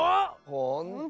ほんと？